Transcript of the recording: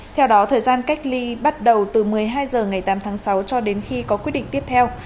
theo đó thời gian cách ly bắt đầu từ một mươi hai h ngày tám tháng sáu cho đến khi có quyết định tiếp theo